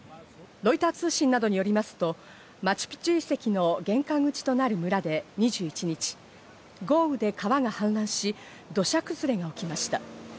ロイター通信などによりますと、マチュピチュ遺跡の玄関口となる村で２１日、豪雨で川が氾濫し、土砂崩れが起きました。